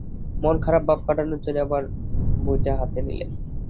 মন-খারাপ ভাব কাটানোর জন্যেই আবার র বইটা হাতে নিলেন।